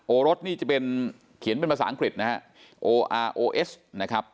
รสนี่จะเป็นเขียนเป็นภาษาอังกฤษนะฮะโออาร์โอเอสนะครับ